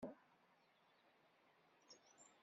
Sami yezmer ad yettwasleɣmu.